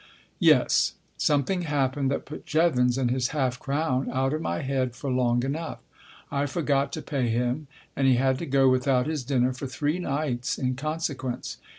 Yes. Something happened that put Jevons and his half crown out of my head for long enough. I forgot to pay him, and he had to go without his dinner for three nights in consequence.